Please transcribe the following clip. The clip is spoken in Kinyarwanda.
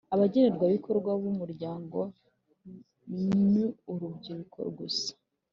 Abagenerwabikorwa b umuryango ni urubyiruko gusa